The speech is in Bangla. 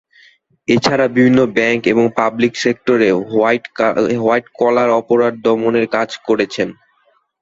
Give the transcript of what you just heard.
এছাড়া বিভিন্ন ব্যাঙ্ক এবং পাবলিক সেক্টরে হোয়াইট কলার অপরাধ দমনের কাজ করেছেন।